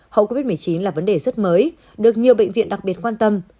hậu covid một mươi chín là vấn đề rất mới được nhiều bệnh viện đặc biệt quan tâm